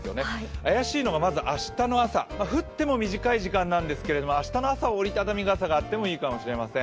怪しいのがまず明日の朝、降っても短い時間なんですけど明日の朝は折り畳み傘があってもいいかもしれません。